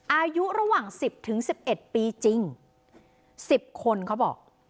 อายุระหว่างสิบถึงสิบเอ็ดปีจริงสิบคนเขาบอก